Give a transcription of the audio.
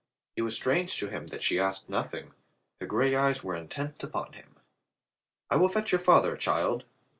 It was strange to him that she asked nothing. Her gray eyes were intent upon him. "I will fetch your father, child."